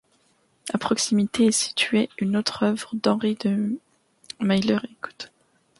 À proximité est située une autre œuvre d'Henri de Miller, Écoute.